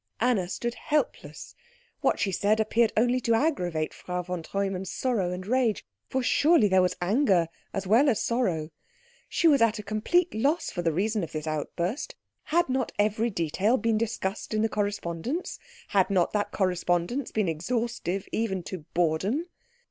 Anna stood helpless. What she said appeared only to aggravate Frau von Treumann's sorrow and rage for surely there was anger as well as sorrow? She was at a complete loss for the reason of this outburst. Had not every detail been discussed in the correspondence? Had not that correspondence been exhaustive even to boredom?